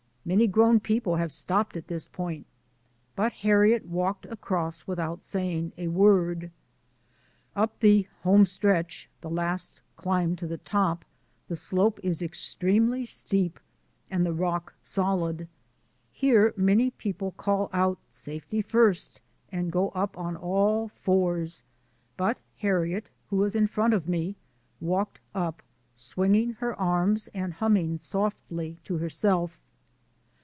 Many grown people have stopped at this point, but Harriet walked across without saying a word. Up the "Home stretch" — the last climb to the top — the slope is extremely steep and the rock solid. Here many people call out " safety first " and go up on all fours, but Harriet, who was in front of me, walked up swinging her arms and hum ming softly to herself.